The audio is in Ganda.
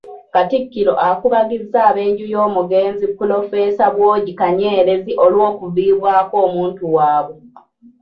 Katikkiro akubagizza ab'enju y'omugenzi Pulofeesa Bwogi Kanyerezi olw'okuviibwako omuntu waabwe.